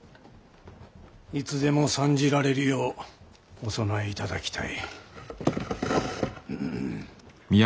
いつでも参じられるようお備えいただきたい。